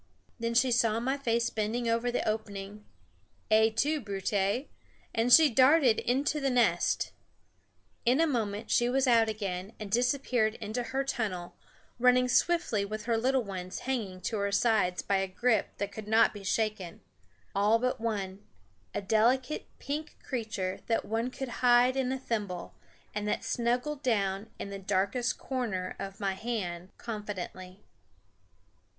Then she saw my face bending over the opening Et tu Brute! and she darted into the nest. In a moment she was out again and disappeared into her tunnel, running swiftly with her little ones hanging to her sides by a grip that could not be shaken, all but one, a delicate pink creature that one could hide in a thimble, and that snuggled down in the darkest corner of my hand confidently.